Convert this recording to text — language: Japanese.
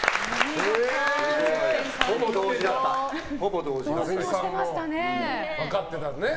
ほぼ同時だった。